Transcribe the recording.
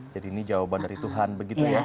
jadi ini jawaban dari tuhan begitu ya